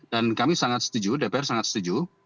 dan kami sangat setuju dpr sangat setuju